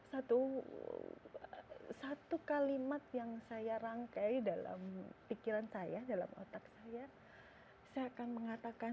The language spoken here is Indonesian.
hai satu satu kalimat yang saya rangkai dalam pikiran saya dalam otak saya saya akan mengatakan